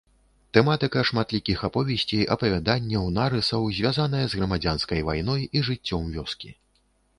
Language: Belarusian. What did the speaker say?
Тэматыка шматлікіх аповесцей, апавяданняў, нарысаў звязаная з грамадзянскай вайной і жыццём вёскі.